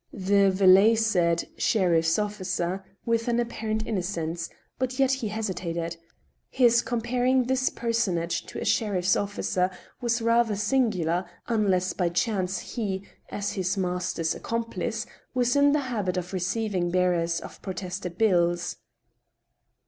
The valet said " sheriff's officer " with an apparent innocence, but yet he hesitated. His comparing this personage to a sheriff's officer was rather singular, unless by chance he, as his master's accomplice, was in the habit of receiving bearers of protested biUs.